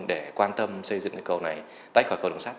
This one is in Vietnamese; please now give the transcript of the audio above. để quan tâm xây dựng cây cầu này tách khỏi cầu đường sắt